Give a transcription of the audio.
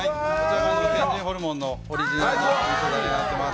天神ホルモンのオリジナルのみそだれになっています。